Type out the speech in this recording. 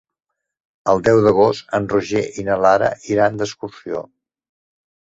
El deu d'agost en Roger i na Lara iran d'excursió.